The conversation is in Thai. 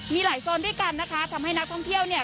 มีหลายโซนด้วยกันนะคะทำให้นักท่องเที่ยวเนี่ย